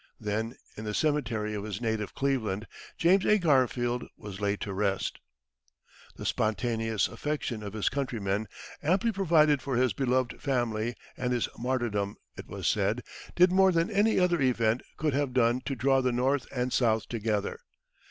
Then in the cemetery of his native Cleveland, James A. Garfield was laid to rest. The spontaneous affection of his countrymen amply provided for his beloved family; and his martyrdom, it was said, did more than any other event could have done to draw the North and South together.